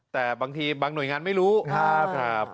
แต่บางทีบางหน่วยงานไม่รู้ครับ